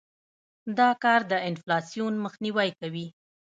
دا کار د انفلاسیون مخنیوى کوي.